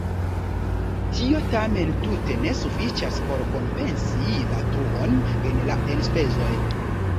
Tio tamen tute ne sufiĉas por kompensi la truon en la enspezoj.